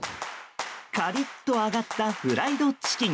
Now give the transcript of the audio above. カリッと揚がったフライドチキン。